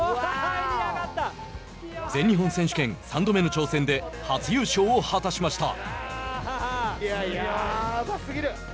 全日本選手権、３度目の挑戦で初優勝を果たしました。